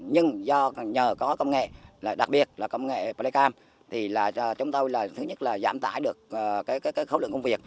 nhưng do nhờ có công nghệ đặc biệt là công nghệ flycam thì là chúng tôi là thứ nhất là giảm tải được khẩu lượng công việc